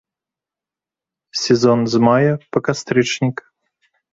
Сезон з мая па кастрычнік.